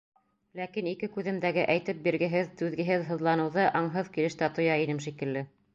Ләкин ике күҙемдәге әйтеп биргеһеҙ, түҙгеһеҙ һыҙланыуҙы аңһыҙ килеш тә тоя инем шикелле.